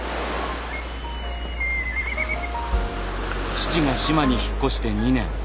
父が志摩に引っ越して２年。